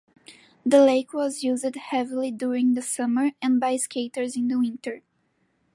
The lake was used heavily during the summer and by skaters in the winter.